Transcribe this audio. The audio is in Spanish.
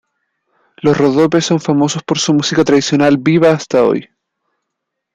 Los Ródope son famosos por su música tradicional, viva hasta hoy.